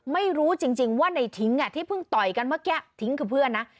ไม่รู้จริงว่าในทิ้งที่เพิ่งต่อยกันเมื่อกี้ทิ้งคือเพื่อนนะ